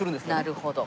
なるほど。